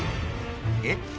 えっ？